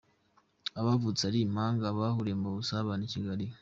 Abavutse ari impanga bahuriye mu busabane i Kigali